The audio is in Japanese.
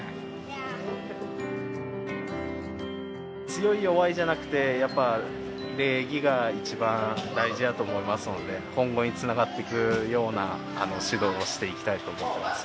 強い弱いじゃなくてやっぱり礼儀が一番大事やと思いますので今後につながっていくような指導をしていきたいと思っています。